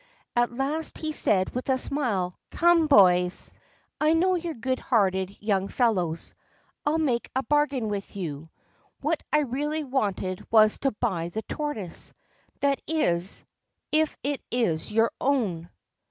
At last he said with a smile, ' Come, boys ! I know you 're good hearted young fellows : I '11 make a bargain with you. What I really wanted was to buy the tortoise, that is, if it is your own.'